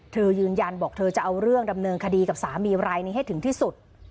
ยืนยันบอกเธอจะเอาเรื่องดำเนินคดีกับสามีรายนี้ให้ถึงที่สุด